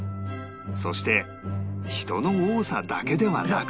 そして人の多さだけではなく